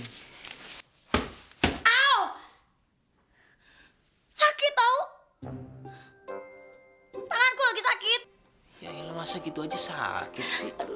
gak bakal sakit tau